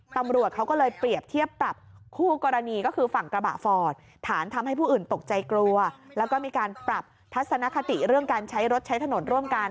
ตำรวจเขาก็เลยเปรียบเทียบปรับคู่กรณีก็คือฝั่งกระบะฟอร์ด